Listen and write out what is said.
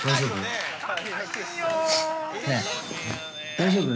◆大丈夫？